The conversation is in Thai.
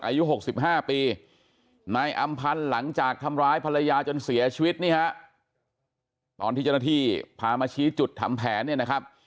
อายุ๖๕ปีนายอำพันธ์หลังจากทำร้ายภรรยาจนเสียชีวิตนี่ฮะตอนที่เจ้าหน้าที่พามาชี้จุดทำแผนเนี่ยนะครับ